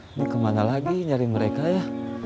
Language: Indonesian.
ini kemana lagi nyari mereka ya